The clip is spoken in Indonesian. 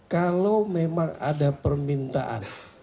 kalau memang ada permintaan